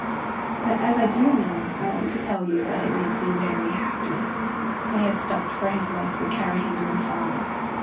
"But as I do know, I want to tell you that it makes me very happy." They had stopped, for his legs would carry him no farther.